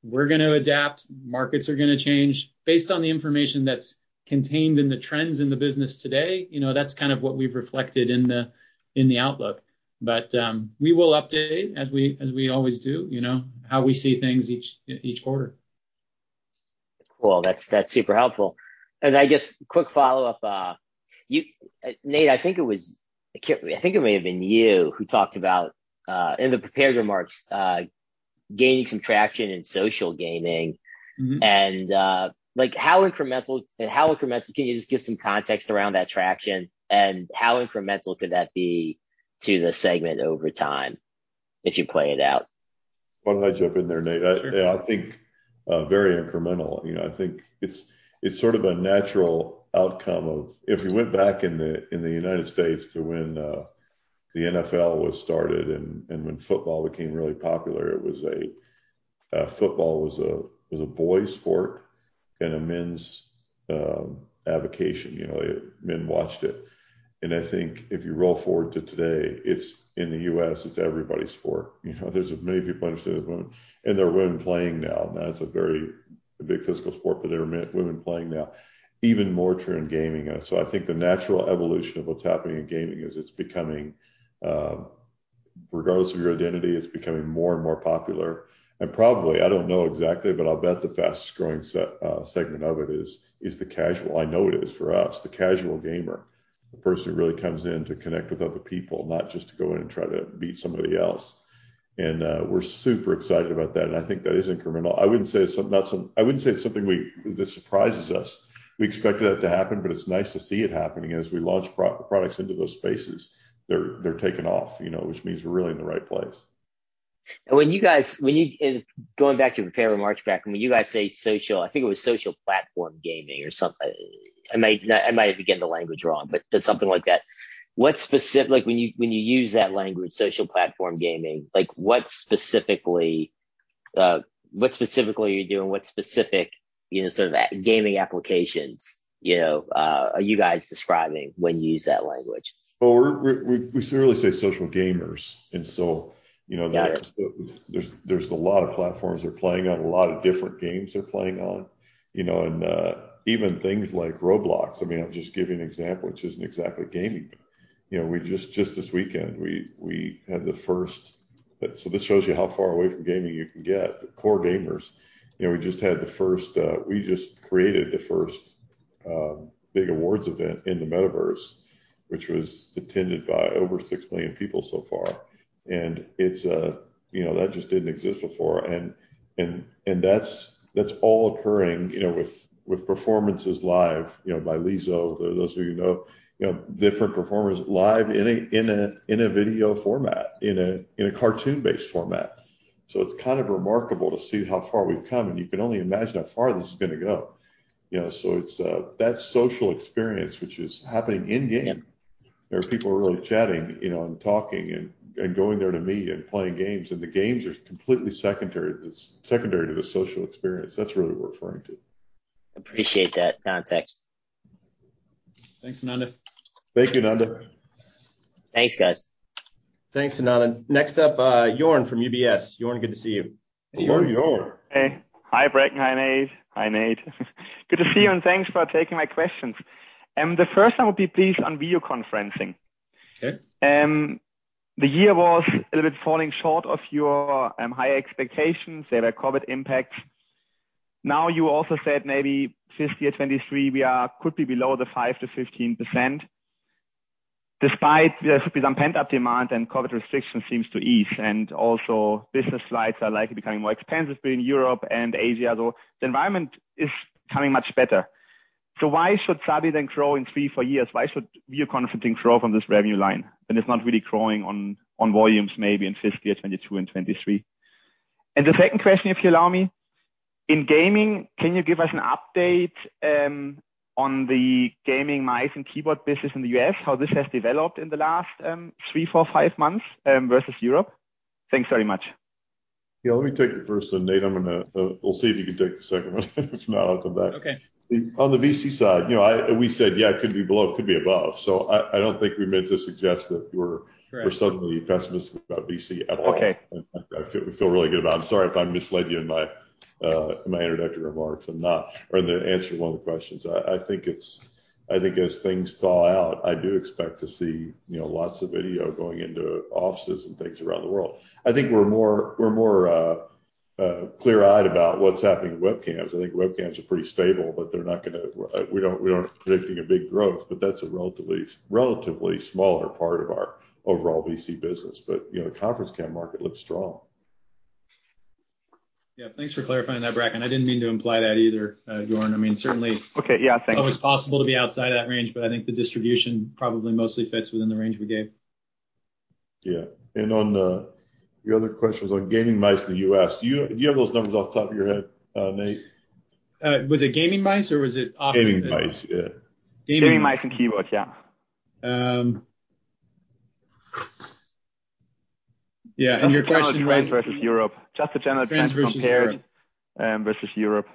we're going to adapt, markets are going to change. Based on the information that's contained in the trends in the business today, you know, that's kind of what we've reflected in the outlook. We will update as we always do, you know, how we see things each quarter.
Cool. That's super helpful. I guess quick follow-up, you, Nate, I think it was. I think it may have been you who talked about, in the prepared remarks, gaining some traction in social gaming.
Mm-hmm.
Like how incremental. Can you just give some context around that traction, and how incremental could that be to the segment over time if you play it out?
Why don't I jump in there, Nate?
Sure.
I think very incremental. You know, I think it's sort of a natural outcome of if you went back in the United States to when the NFL was started and when football became really popular, football was a boy sport and a men's avocation. You know, men watched it. I think if you roll forward to today, it's in the US, it's everybody's sport. You know, there's many people interested in women, and there are women playing now, and that's a very big physical sport, but there are women playing now. Even more true in gaming. I think the natural evolution of what's happening in gaming is it's becoming, regardless of your identity, it's becoming more and more popular. Probably, I don't know exactly, but I'll bet the fastest growing segment of it is the casual. I know it is for us. The casual gamer, the person who really comes in to connect with other people, not just to go in and try to beat somebody else. We're super excited about that, and I think that is incremental. I wouldn't say it's something we, that surprises us. We expected that to happen, but it's nice to see it happening as we launch products into those spaces. They're taking off, you know, which means we're really in the right place.
Going back to your prepared remarks, Bracken, when you guys say social, I think it was social platform gaming or something. I might have gotten the language wrong, but something like that. What specifically, like when you use that language, social platform gaming, like what specifically are you doing? What specific, you know, sort of gaming applications, you know, are you guys describing when you use that language?
Well, we sort of really say social gamers. You know.
Got it.
There's a lot of platforms they're playing on, a lot of different games they're playing on. You know, even things like Roblox. I mean, I'll just give you an example, which isn't exactly gaming. You know, just this weekend, we had the first. This shows you how far away from gaming you can get, but core gamers. You know, we just created the first big awards event in the Metaverse, which was attended by over 6 million people so far. It's, you know, that just didn't exist before. That's all occurring, you know, with performances live, you know, by Lizzo, for those of you who know, different performers live in a video format, in a cartoon-based format. It's kind of remarkable to see how far we've come, and you can only imagine how far this is going to go. You know, so it's that social experience which is happening in-game. There are people really chatting, you know, and talking and going there to meet and playing games, and the games are completely secondary to the social experience. That's really what we're referring to.
Appreciate that context.
Thanks, Ananda.
Thank you, Ananda.
Thanks, guys.
Thanks, Ananda. Next up, Joern from UBS. Joern, good to see you.
Good morning, Joern.
Hey. Hi, Bracken. Hi, Nate. Hi, Nate. Good to see you, and thanks for taking my questions. The first one would be please on video conferencing.
Okay.
The year was a little bit falling short of your high expectations. There were COVID impacts. Now you also said maybe fiscal year 2023 we are quickly below the 5%-15% despite there could be some pent-up demand and COVID restrictions seems to ease, and also business flights are likely becoming more expensive between Europe and Asia. The environment is becoming much better. Why should Logi then grow in three, four years? Why should video conferencing grow from this revenue line when it's not really growing on volumes maybe in fiscal year 2022 and 2023? The second question, if you allow me. In gaming, can you give us an update on the gaming mice and keyboard business in the U.S., how this has developed in the last three, four, five months versus Europe? Thanks very much.
Yeah, let me take the first one. Nate, I'm going to. We'll see if you can take the second one. If not, I'll come back.
Okay.
On the VC side, you know, we said, yeah, it could be below, it could be above. I don't think we meant to suggest that we're.
Right
We're suddenly pessimistic about VC at all.
Okay.
We feel really good about it. I'm sorry if I misled you in my introductory remarks. I'm not. Or in the answer to one of the questions. I think as things thaw out, I do expect to see, you know, lots of video going into offices and things around the world. I think we're more clear-eyed about what's happening with webcams. I think webcams are pretty stable, but they're not going to. We aren't predicting a big growth, but that's a relatively smaller part of our overall VC business. You know, the conference cam market looks strong.
Yeah. Thanks for clarifying that, Bracken. I didn't mean to imply that either, Joern. I mean, certainly.
Okay. Yeah. Thank you.
It's always possible to be outside of that range, but I think the distribution probably mostly fits within the range we gave.
Yeah. On your other questions on gaming mice in the U.S., do you have those numbers off the top of your head, Nate?
Was it gaming mice or was it office
Gaming mice, yeah.
Gaming mice.
Gaming mice and keyboards, yeah.
Yeah. Your question was.
Just the general trends versus Europe. Trends versus Europe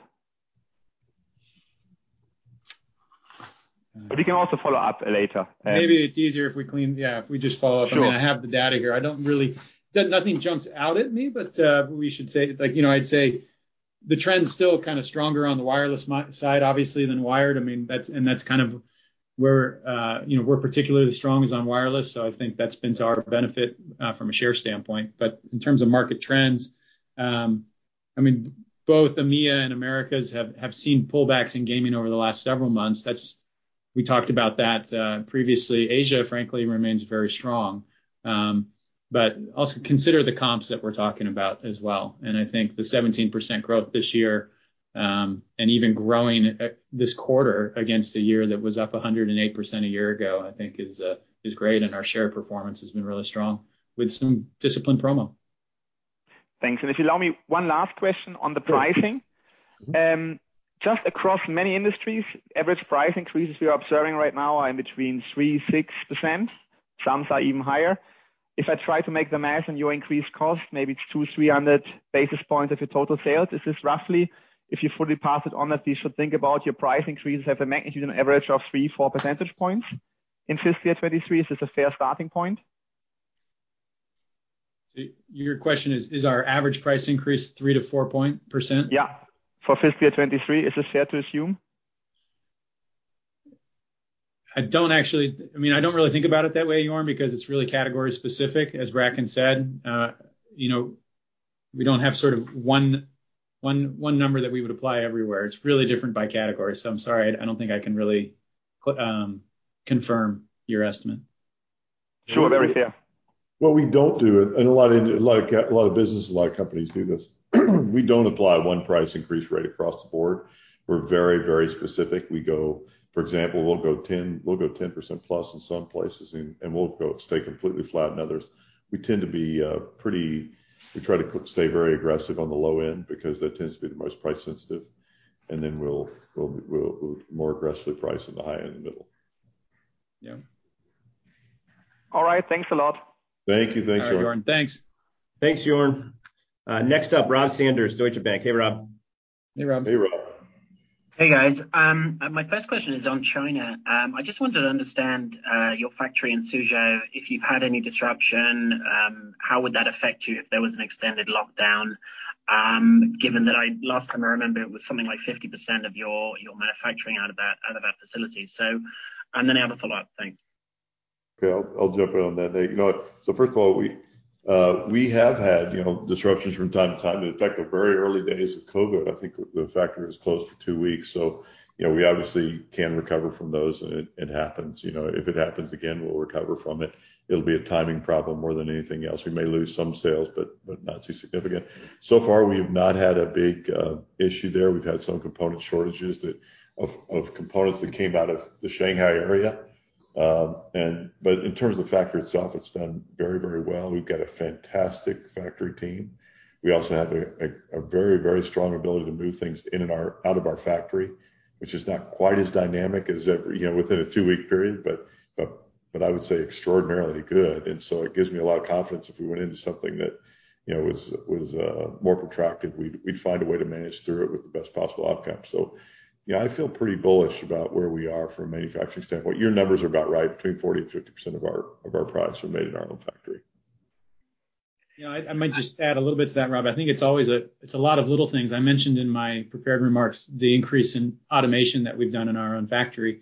We can also follow up later.
Maybe it's easier if we just follow up.
Sure.
I mean, I have the data here. I don't really. Nothing jumps out at me, but we should say, like, you know, I'd say the trend's still kind of stronger on the wireless mice side, obviously, than wired. I mean, that's kind of where we're particularly strong is on wireless, so I think that's been to our benefit from a share standpoint. In terms of market trends, I mean, both EMEA and Americas have seen pullbacks in gaming over the last several months. We talked about that previously. Asia, frankly, remains very strong. Also consider the comps that we're talking about as well. I think the 17% growth this year, and even growing this quarter against a year that was up 108% a year ago, I think is great, and our share performance has been really strong with some disciplined promo.
Thanks. If you allow me one last question on the pricing.
Sure.
Just across many industries, average price increases we are observing right now are 3%-6%. Some are even higher. If I try to make the math on your increased cost, maybe it's 200-300 basis points of your total sales. Is this roughly if you fully pass it on, that you should think about your price increases have a magnitude, an average of 3-4 percentage points in fiscal year 2023? Is this a fair starting point?
Your question is our average price increase 3%-4%?
Yeah. For fiscal year 2023, is this fair to assume?
I don't actually, I mean, I don't really think about it that way, Joern, because it's really category specific, as Bracken said. You know, we don't have sort of one number that we would apply everywhere. It's really different by category. I'm sorry, I don't think I can really confirm your estimate.
Sure. Very fair.
What we don't do, a lot of businesses, a lot of companies do this. We don't apply one price increase right across the board. We're very specific. We go, for example, we'll go 10% plus in some places and we'll stay completely flat in others. We tend to be pretty. We try to stay very aggressive on the low end because that tends to be the most price sensitive. We'll more aggressively price in the high and the middle.
Yeah.
All right. Thanks a lot.
Thank you. Thanks, Joern.
All right, Joern. Thanks.
Thanks, Joern. Next up, Robert Sanders, Deutsche Bank. Hey, Rob.
Hey, Rob.
Hey, Rob.
Hey, guys. My first question is on China. I just wanted to understand your factory in Suzhou, if you've had any disruption, how would that affect you if there was an extended lockdown, given that last time I remember, it was something like 50% of your manufacturing out of that facility. Then I have a follow-up. Thanks.
Okay. I'll jump in on that. You know what? First of all, we have had, you know, disruptions from time to time. In fact, the very early days of COVID, I think the factory was closed for two weeks. You know, we obviously can recover from those, and it happens. You know, if it happens again, we'll recover from it. It'll be a timing problem more than anything else. We may lose some sales, but not too significant. So far, we have not had a big issue there. We've had some component shortages of components that came out of the Shanghai area. In terms of factory itself, it's done very, very well. We've got a fantastic factory team. We also have a very strong ability to move things in and out of our factory, which is not quite as dynamic as every you know within a two-week period, but I would say extraordinarily good. It gives me a lot of confidence if we went into something that, you know, was more protracted, we'd find a way to manage through it with the best possible outcome. Yeah, I feel pretty bullish about where we are from a manufacturing standpoint. Your numbers are about right. Between 40% and 50% of our products are made in our own factory.
You know, I might just add a little bit to that, Rob. I think it's always a lot of little things. I mentioned in my prepared remarks the increase in automation that we've done in our own factory.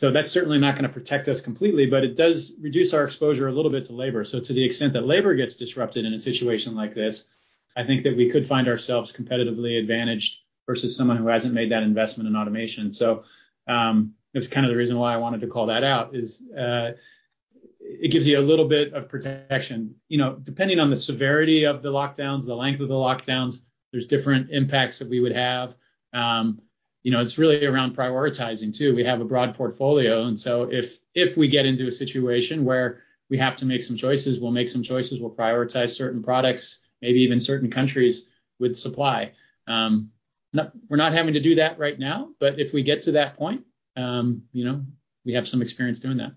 That's certainly not going to protect us completely, but it does reduce our exposure a little bit to labor. To the extent that labor gets disrupted in a situation like this, I think that we could find ourselves competitively advantaged versus someone who hasn't made that investment in automation. That's kind of the reason why I wanted to call that out is, it gives you a little bit of protection. You know, depending on the severity of the lockdowns, the length of the lockdowns, there's different impacts that we would have. You know, it's really around prioritizing too. We have a broad portfolio. If we get into a situation where we have to make some choices, we'll make some choices. We'll prioritize certain products, maybe even certain countries with supply. We're not having to do that right now, but if we get to that point, you know, we have some experience doing that.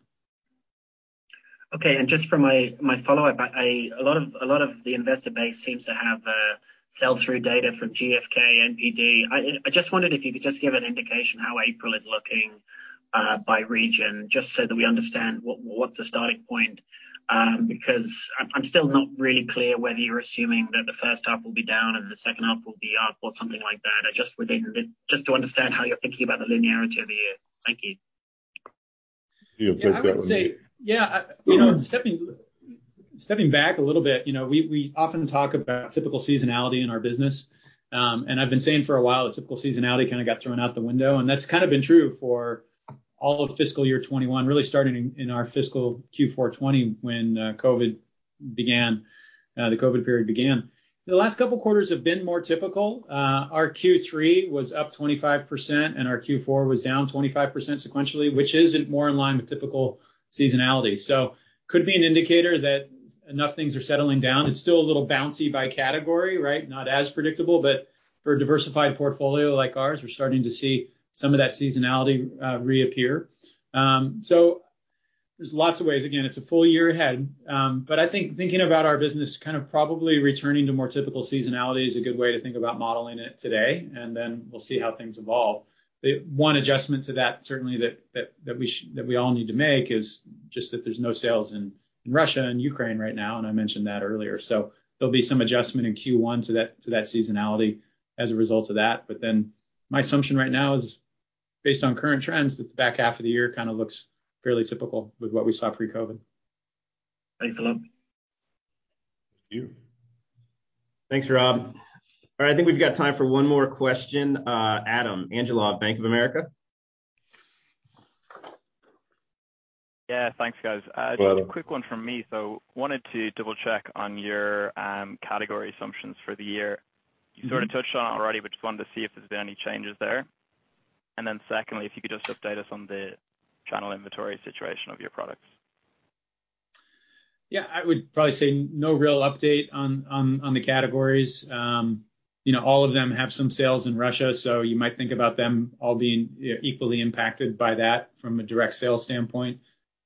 Okay. Just for my follow-up. A lot of the investor base seems to have sell-through data from GfK, NPD. I just wondered if you could just give an indication how April is looking by region, just so that we understand what's the starting point. Because I'm still not really clear whether you're assuming that the first half will be down and the second half will be up or something like that. I just would just to understand how you're thinking about the linearity of the year. Thank you.
You take that one.
I would say, yeah, you know, stepping back a little bit, you know, we often talk about typical seasonality in our business. I've been saying for a while that typical seasonality kind of got thrown out the window, and that's kind of been true for all of fiscal year 2021, really starting in our fiscal Q4 2020 when COVID began, the COVID period began. The last couple of quarters have been more typical. Our Q3 was up 25%, and our Q4 was down 25% sequentially, which is more in line with typical seasonality. Could be an indicator that enough things are settling down. It's still a little bouncy by category, right? Not as predictable, but for a diversified portfolio like ours, we're starting to see some of that seasonality reappear. There's lots of ways. Again, it's a full year ahead. I think thinking about our business kind of probably returning to more typical seasonality is a good way to think about modeling it today, and then we'll see how things evolve. The one adjustment to that certainly that we all need to make is just that there's no sales in Russia and Ukraine right now, and I mentioned that earlier. There'll be some adjustment in Q1 to that seasonality as a result of that. My assumption right now is based on current trends, that the back half of the year kind of looks fairly typical with what we saw pre-COVID.
Thanks a lot.
Thank you.
Thanks, Rob. All right, I think we've got time for one more question. Adam Angelov, Bank of America.
Yeah, thanks, guys.
Hello.
Quick one from me. Wanted to double-check on your category assumptions for the year.
Mm-hmm.
You sort of touched on it already, but just wanted to see if there's been any changes there. Secondly, if you could just update us on the channel inventory situation of your products.
Yeah, I would probably say no real update on the categories. You know, all of them have some sales in Russia, so you might think about them all being equally impacted by that from a direct sales standpoint.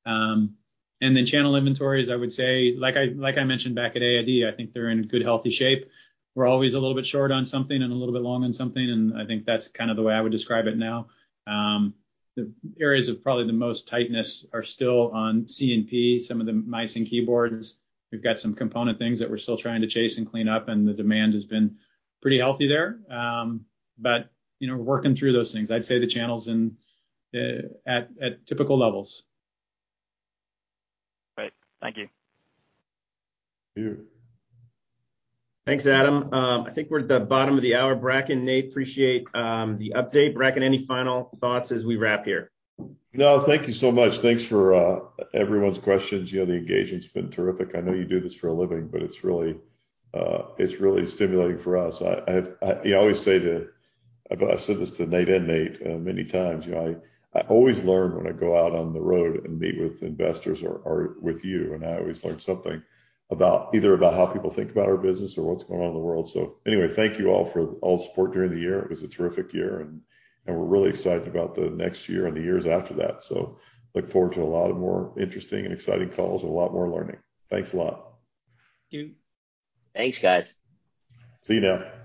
Channel inventories, I would say, like I mentioned back at AID, I think they're in good, healthy shape. We're always a little bit short on something and a little bit long on something, and I think that's kind of the way I would describe it now. The areas of probably the most tightness are still on C&P, some of the mice and keyboards. We've got some component things that we're still trying to chase and clean up, and the demand has been pretty healthy there. You know, we're working through those things. I'd say the channel's in at typical levels.
Great. Thank you.
Thank you.
Thanks, Adam. I think we're at the bottom of the hour. Bracken, Nate, appreciate the update. Bracken, any final thoughts as we wrap here?
No, thank you so much. Thanks for everyone's questions. You know, the engagement's been terrific. I know you do this for a living, but it's really, it's really stimulating for us. I always say. I've said this to Nate and Nate many times, you know, I always learn when I go out on the road and meet with investors or with you, and I always learn something about either about how people think about our business or what's going on in the world. Anyway, thank you all for all the support during the year. It was a terrific year, and we're really excited about the next year and the years after that. Look forward to a lot of more interesting and exciting calls and a lot more learning. Thanks a lot.
Thank you.
Thanks, guys.
See you now.